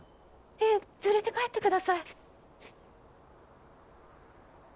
ええ連れて帰ってください。